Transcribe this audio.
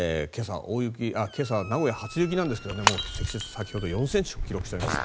今朝、名古屋は初雪なんですが積雪、先ほど４ｃｍを記録しておりました。